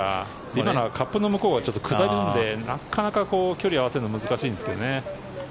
今のはカップの向こうがちょっと下るのでなかなか距離を合わせるのが難しいんですけどね。